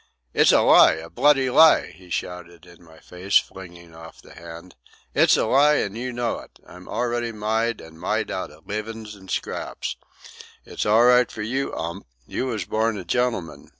"It's a lie! a bloody lie!" he shouted in my face, flinging off the hand. "It's a lie, and you know it. I'm already myde, an' myde out of leavin's an' scraps. It's all right for you, 'Ump. You was born a gentleman.